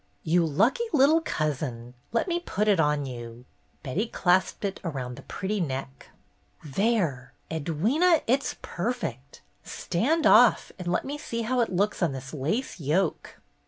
"You lucky little cousin, let me put it on you !" Betty clasped it round the pretty neck. "There! Edwyna, it's perfect! Stand off, and let me see how it looks on this lace yoke."